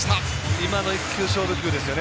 今の１球、勝負球ですよね。